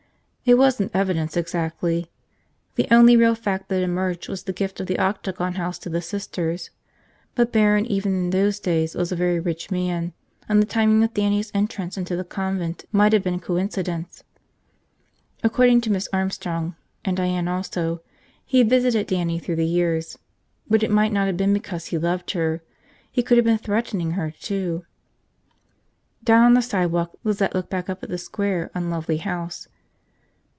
It wasn't evidence, exactly. The only real fact that emerged was the gift of the Octagon House to the Sisters, but Barron even in those days was a very rich man and the timing with Dannie's entrance into the convent might have been coincidence. According to Miss Armstrong, and Diane also, he had visited Dannie through the years. But it might not have been because he loved her. He could have been threatening her, too. Down on the sidewalk, Lizette looked back up at the square, unlovely house.